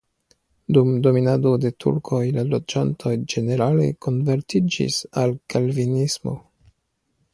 Dum dominado de turkoj la loĝantoj ĝenerale konvertiĝis al kalvinismo.